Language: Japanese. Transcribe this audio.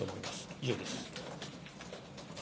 以上です。